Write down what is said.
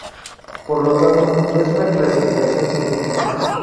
Por lo tanto, no es una clasificación científica.